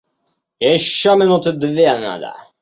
Еще минуты две надо.